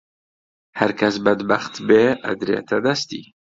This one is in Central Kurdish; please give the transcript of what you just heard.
هەرکەس بەدبەخت بێ ئەدرێتە دەستی